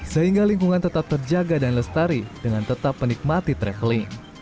sehingga lingkungan tetap terjaga dan lestari dengan tetap menikmati traveling